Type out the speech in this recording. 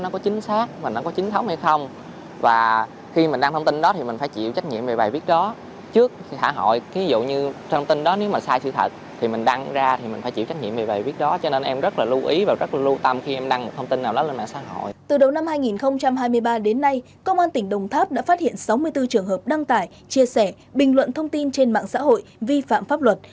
công an tỉnh đồng tháp đã phát hiện sáu mươi bốn trường hợp đăng tải chia sẻ bình luận thông tin trên mạng xã hội vi phạm pháp luật